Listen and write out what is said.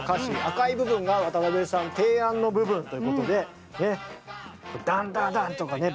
赤い部分が渡辺さん提案の部分ということでダンダダンとかね